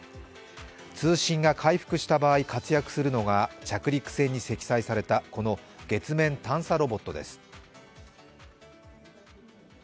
通信が回復した場合、活躍するのが着陸船に積載されたこの月面探査ロボットです。